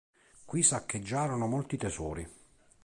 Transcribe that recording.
Qui saccheggiarono molti tesori.